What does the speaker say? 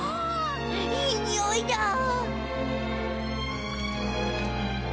いいにおいだあ！